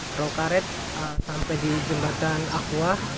prokaret sampai di jembatan akwa